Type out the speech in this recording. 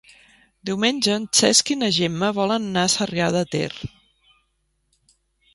Diumenge en Cesc i na Gemma volen anar a Sarrià de Ter.